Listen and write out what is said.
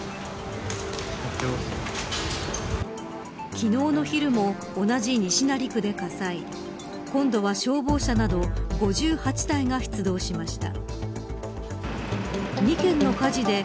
昨日の昼も、同じ西成区で火災今度は消防車など５８台が出動しました。